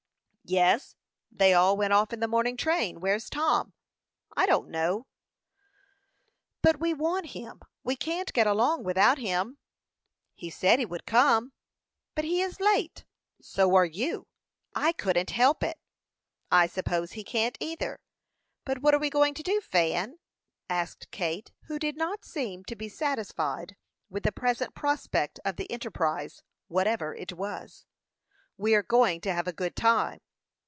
"Yes; they all went off in the morning train. Where is Tom?" "I don't know." "But we want him; we can't get along without him." "He said he would come." "But he is late." "So are you." "I couldn't help it." "I suppose he can't, either. But what are we going to do, Fan?" asked Kate, who did not seem to be satisfied with the present prospect of the enterprise, whatever it was. "We are going to have a good time."